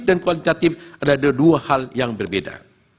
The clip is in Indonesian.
dan kualitatif adalah dua hal yang berbeda